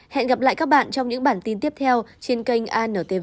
hẹn gặp lại các bạn trong những bản tin tiếp theo trên kênh antv